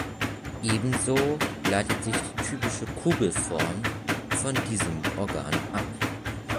Ebenso leitet sich die typische Kugelform von diesem Organ ab.